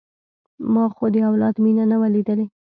ما خو د اولاد مينه نه وه ليدلې.